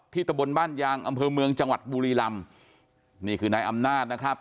ตะบนบ้านยางอำเภอเมืองจังหวัดบุรีลำนี่คือนายอำนาจนะครับ